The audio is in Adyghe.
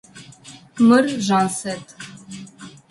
Мыр Жансэт.